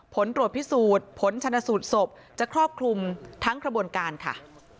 ผลตรวจพิสูจน์ผลชนสูตรศพจะครอบคลุมทั้งกระบวนการค่ะ